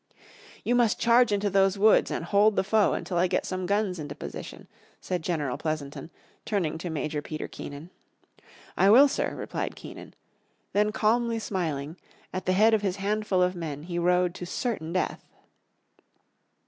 "You must charge into those woods, and hold the foe until I get some guns into position," said General Pleasonton, turning to Major Peter Keenan. "I will, sir," replied Keenan. Then calmly smiling, at the head of his handful of men he rode to certain death.